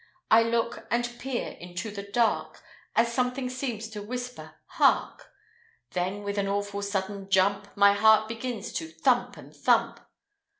I look and peer into the dark, As something seems to whisper, "Hark!" Then, with an awful sudden jump, My heart begins to thump and thump.